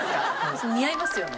私似合いますよね。